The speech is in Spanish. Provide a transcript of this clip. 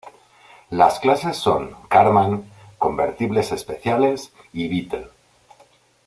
Las clases son Karmann, convertibles especiales y Beetle.